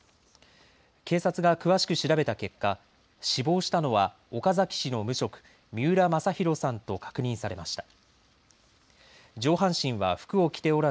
警察が詳しく調べた結果、死亡したのは岡崎市の無職、三浦正裕さんと確認されました。